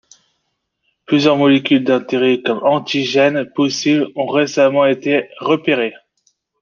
Plusieurs molécules d'intérêt comme antigène possible ont récemment été repérée.